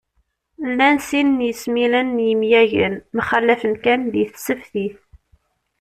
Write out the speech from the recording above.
Llan sin n yesmilen n yemyagen, mxallafen kan di tseftit